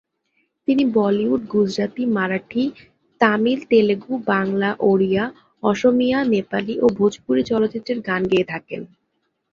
তিনি বলিউড, গুজরাতি, মারাঠি, তামিল, তেলুগু, বাংলা, ওড়িয়া, অসমীয়া, নেপালি ও ভোজপুরি চলচ্চিত্রের গান গেয়ে থাকেন।